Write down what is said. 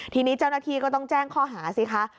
ทีนี้เจ้าหน้าที่ก็ต้องแจ้งข้อหาสิคะ